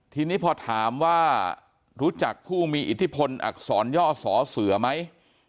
ทีนี้พอถามว่ารู้จักผู้มีอิทธิพลอักษรย่อสอเสือไหม